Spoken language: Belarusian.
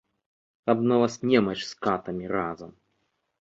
Каб на вас немач з катамі разам!